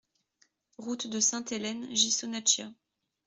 Route de Sainte-Helene, Ghisonaccia